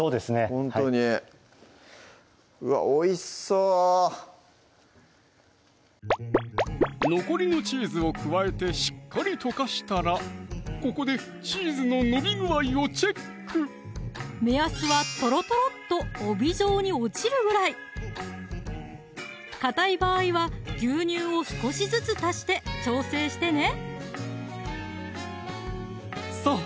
ほんとにうわおいしそう残りのチーズを加えてしっかり溶かしたらここでチーズの伸び具合をチェック目安はとろとろっと帯状に落ちるぐらいかたい場合は牛乳を少しずつ足して調整してねさぁ